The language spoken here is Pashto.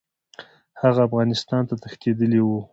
هغه افغانستان ته تښتېدلی وو.